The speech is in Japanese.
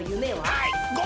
はい！